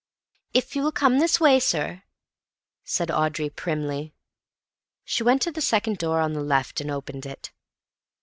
"If you will come this way, sir," said Audrey primly. She went to the second door on the left, and opened it.